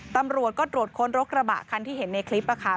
ตำรวจก็ตรวจค้นรถกระบะคันที่เห็นในคลิปค่ะ